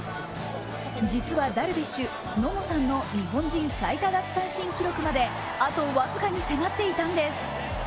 実はダルビッシュ、野茂さんの日本人最多奪三振記録まであと僅かに迫っていたんです。